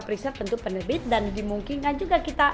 preset tentu penelit dan dimungkinkan juga kita